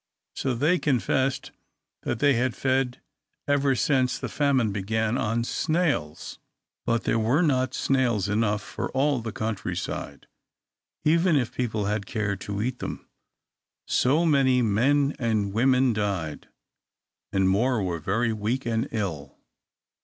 So they confessed that they had fed ever since the famine began on snails! But there were not snails enough for all the country side, even if people had cared to eat them. So many men and women died, and more were very weak and ill.